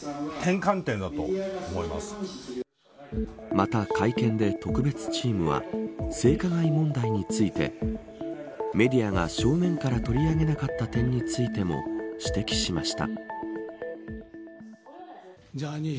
また、会見で特別チームは性加害問題についてメディアが正面から取り上げなかった点についても指摘しました。